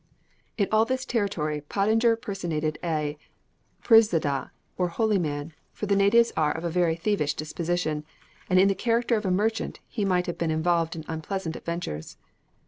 In all this territory, Pottinger personated a "pyrzadeh," or holy man, for the natives are of a very thievish disposition, and in the character of a merchant he might have been involved in unpleasant adventures.